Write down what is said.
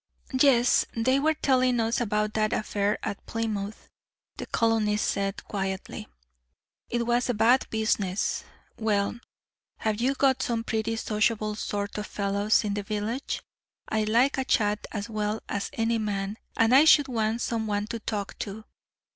"Yes, they were telling us about that affair at Plymouth," the colonist said, quietly. "It was a bad business. Well, have you got some pretty sociable sort of fellows in the village? I like a chat as well as any man, and I should want some one to talk to."